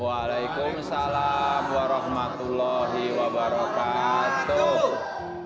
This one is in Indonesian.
waalaikumsalam warahmatullahi wabarakatuh